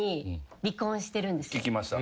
聞きました。